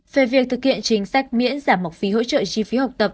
về việc thực hiện chính sách miễn giảm học phí hỗ trợ chi phí học tập